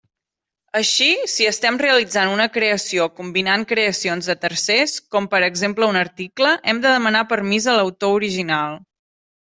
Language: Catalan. Així, si estem realitzant una creació combinant creacions de tercers, com per exemple un article, hem de demanar permís a l'autor original.